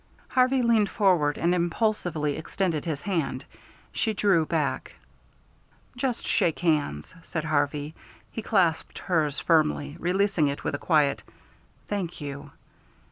Harvey leaned forward and impulsively extended his hand. She drew back. "Just shake hands," said Harvey. He clasped hers firmly, releasing it with a quiet "Thank you."